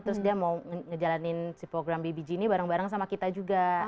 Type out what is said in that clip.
terus dia mau ngejalanin si program bbg ini bareng bareng sama kita juga